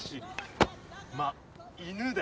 まっ犬だ。